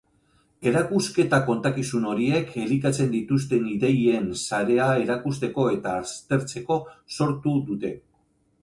Erakusketa kontakizun horiek elikatzen dituzten ideien sarea erakusteko eta aztertzeko sortu dute.